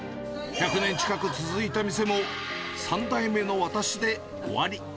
１００年近く続いた店も、３代目の私で終わり。